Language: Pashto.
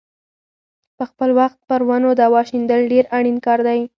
په خپل وخت پر ونو دوا شیندل ډېر اړین کار دی.